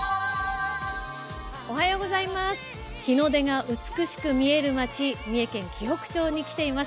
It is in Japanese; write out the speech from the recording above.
日の出が美しく見える町、三重県紀北町に来ています。